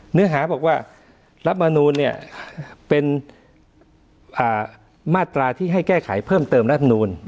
เนื้อหาบอกว่ารัฐมนูลเนี่ยเป็นมาตราที่ให้แก้ไขเพิ่มเติมรัฐมนูล